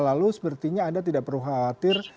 lalu sepertinya anda tidak perlu khawatir